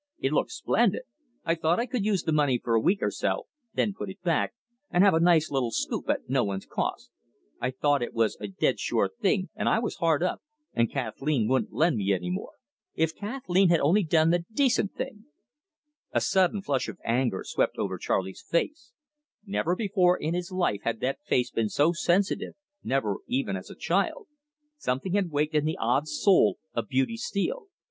It looked splendid. I thought I could use the money for a week or so, then put it back, and have a nice little scoop, at no one's cost. I thought it was a dead sure thing and I was hard up, and Kathleen wouldn't lend me any more. If Kathleen had only done the decent thing " A sudden flush of anger swept over Charley's face never before in his life had that face been so sensitive, never even as a child. Something had waked in the odd soul of Beauty Steele.